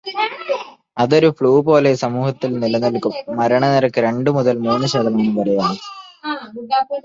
അതൊരു ഫ്ലു പോലെ സമൂഹത്തിൽ നിലനില്ക്കും, മരണനിരക്ക് രണു മുതൽ മൂന്ന് ശതമാനം വരെയാണ്.